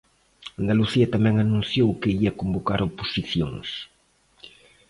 Andalucía tamén anunciou que ía convocar oposicións.